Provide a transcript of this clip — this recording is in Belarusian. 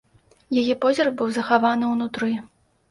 Яе позірк быў захаваны ўнутры.